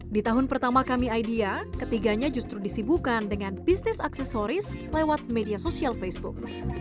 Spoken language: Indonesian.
di tahun pertama kami idea ketiganya justru disibukan dengan bisnis aksesoris lewat media sosial facebook